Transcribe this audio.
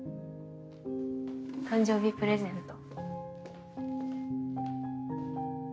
誕生日プレゼント。